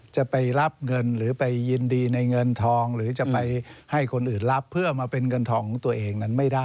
จะไปรับเงินหรือไปยินดีในเงินทอง